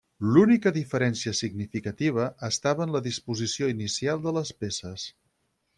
L'única diferència significativa estava en la disposició inicial de les peces.